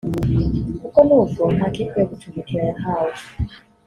kuko n’ubwo nta kipe yo gucumbikira yahawe